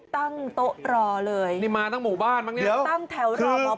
ตั้งโต๊ะรอเลยตั้งแถวรอหมอปลา